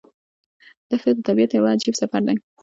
دښته د طبیعت یو عجیب سفر دی.